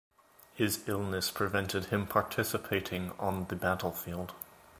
His illness prevented him participating on the battlefield.